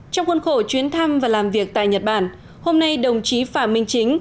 trong khuôn khổ chuyến thăm và làm việc tại nhật bản hôm nay đồng chí phạm minh chính